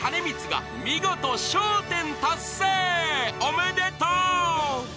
［おめでとう］